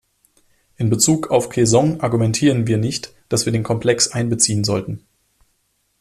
In Bezug auf Kaesŏng argumentieren wir nicht, dass wir den Komplex einbeziehen sollten.